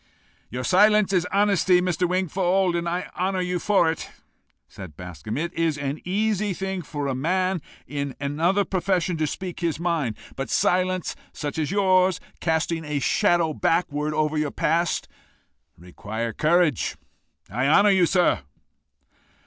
"Your silence is honesty, Mr. Wingfold, and I honour you for it," said Bascombe. "It is an easy thing for a man in another profession to speak his mind, but silence such as yours, casting a shadow backward over your past, require courage: I honour you, sir."